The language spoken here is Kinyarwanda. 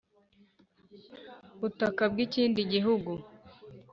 Butaka Bw Ikindi Gihugu